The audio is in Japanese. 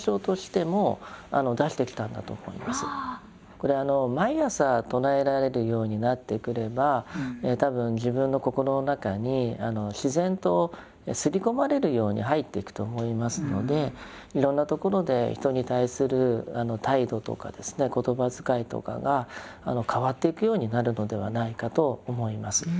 これ毎朝唱えられるようになってくれば多分自分の心の中に自然とすり込まれるように入っていくと思いますのでいろんなところで人に対する態度とか言葉遣いとかが変わっていくようになるのではないかと思います。